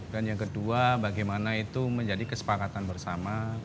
dan yang kedua bagaimana itu menjadi kesepakatan bersama